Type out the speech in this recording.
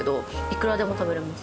幾らでも食べれます。